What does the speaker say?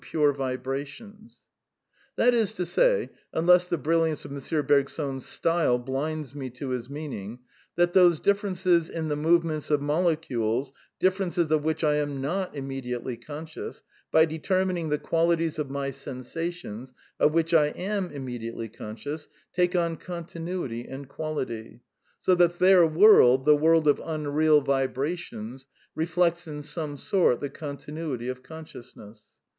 pure vibrations {ebranlements) 9 " (Page 226.) That is to say (unless the brilliance of M. Bergson's style blinds me to his meaning), that those differences in the movements of molecules, differences of which I am not j immediately conscious, by determining the qualities of my I sensations, of which I am immediately conscious, take on I continuity and quality, so that their world, the world of 1 " unreal " vibrations, reflects in some sort the continuity \^ of consciousness.